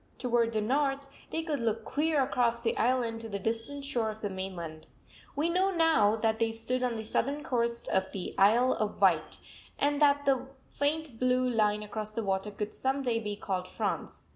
Toward the north they could look clear across the island to the distant shore of the mainland. We know now that they stood on the southern coast of the Isle of Wight, and that the faint blue line across the water would some day be called France.